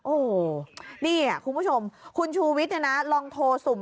โอ้เนี่ยคุณผู้ชมคุณชูวิทย์นะลองท